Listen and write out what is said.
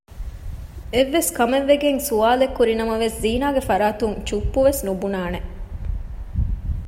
އެއްވެސް ކަމެއްވެގެން ސްވާލެއްކުރިނަމަވެސް ޒީނާގެ ފަރާތުން ޗުއްޕުވެސް ނުބުނާނެ